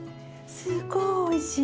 すっごいおいしい！